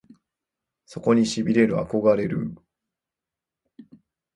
そこに痺れる憧れるぅ！！